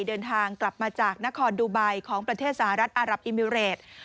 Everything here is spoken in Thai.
เดินทางกลับมาจากนครดูไบของประเทศสหรัฐอารับอิมิเรต